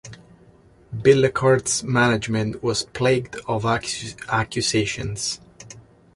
Billecart's management was plagued of accusations.